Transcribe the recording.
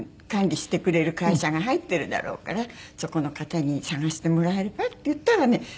管理してくれる会社が入ってるだろうからそこの方に捜してもらえばっていったらね